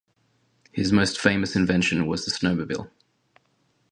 His most famous invention was the snowmobile.